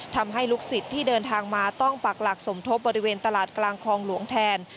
ทำให้ลูกศิษย์ที่เดินทางมาต้องปักหลักสมทบบริเวณตลาดกลางคลองหลวงแทน